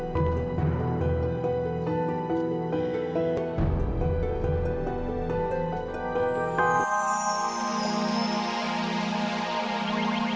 semoga saya bisa menahan mereka